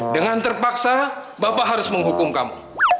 dengan terpaksa bapak harus menghukum kamu